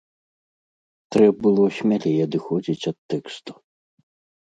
Трэ' было смялей адыходзіць ад тэксту.